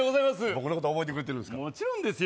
僕のこと覚えてくれてるんですかもちろんですよ